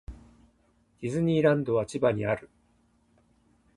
ディズニーランドは千葉にある。